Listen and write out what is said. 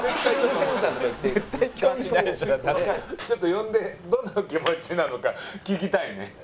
ちょっと呼んでどんな気持ちなのか聞きたいね。